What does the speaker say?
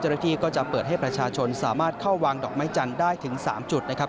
ก็จะเปิดให้ประชาชนสามารถเข้าวางดอกไม้จันทร์ได้ถึง๓จุดนะครับ